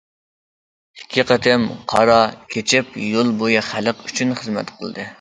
ئىككى قېتىم قار كېچىپ، يول بويى خەلق ئۈچۈن خىزمەت قىلدى.